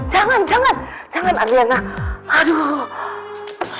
jangan jangan jangan aryana aduh